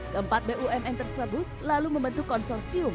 keempat bumn tersebut lalu membentuk konsorsium